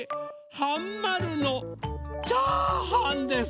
はんまるのチャーハンですか。